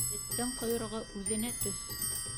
Эттең ҡойроғо үҙенә төҫ.